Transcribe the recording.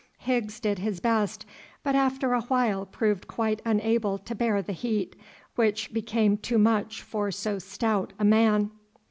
Higgs did his best, but after a while proved quite unable to bear the heat, which became too much for so stout a man.